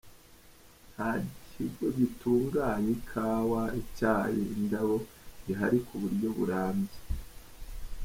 Nta kigo gitunganya ikawa, icyayi, indabo gihari ku buryo burambye.